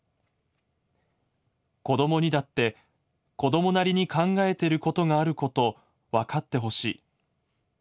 子供にだって子供なりに考えてることがあることわかって欲しい。